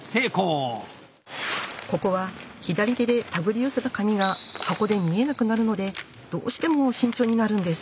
ここは左手で手繰り寄せた紙が箱で見えなくなるのでどうしても慎重になるんです。